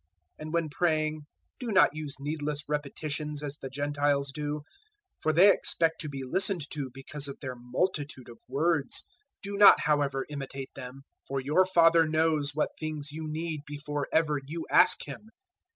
006:007 "And when praying, do not use needless repetitions as the Gentiles do, for they expect to be listened to because of their multitude of words. 006:008 Do not, however, imitate them; for your Father knows what things you need before ever you ask Him.